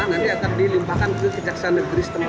nanti akan dilimpahkan ke kejaksaan negeri setempat